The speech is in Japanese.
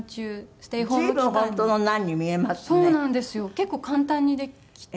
結構簡単にできて。